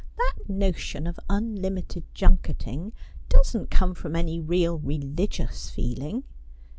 ' That notion of unlimited junketing doesn't come from any real religious feeling.